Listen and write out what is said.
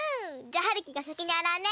じゃあはるきがさきにあらうね！